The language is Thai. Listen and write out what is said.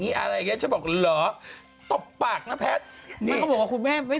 นี่ไม่ได้ตื่นมาดูเอง